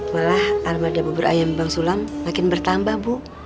walah armada bubur ayam bang sulam makin bertambah bu